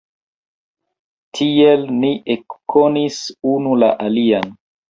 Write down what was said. Tiel ni ekkonis unu la alian.